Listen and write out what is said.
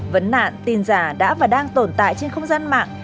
vấn nạn tin giả đã và đang tồn tại trên không gian mạng